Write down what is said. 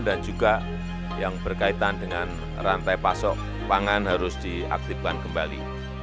dan juga yang berkaitan dengan rantai pasok pangan harus diaktifkan kembali